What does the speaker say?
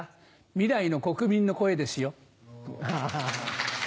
未来の国民の声ですよ。